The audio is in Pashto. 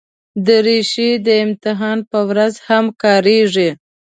دریشي د امتحان پر ورځ هم کارېږي.